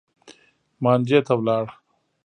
مانجې ته لاړ.